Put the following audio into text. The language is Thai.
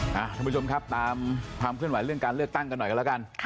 คุณผู้ชมครับตามความเคลื่อนไหวเรื่องการเลือกตั้งกันหน่อยกันแล้วกัน